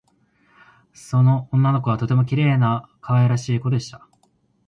その女の子はとてもきれいなかわいらしいこでした